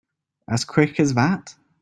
As quick as that?